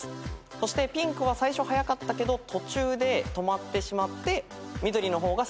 そしてピンクは最初はやかったけど途中で止まってしまって緑の方が先にゴールする。